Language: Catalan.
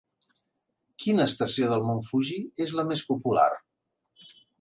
Quina estació del mont Fuji és la més popular?